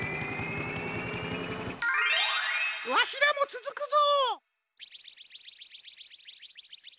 わしらもつづくぞ！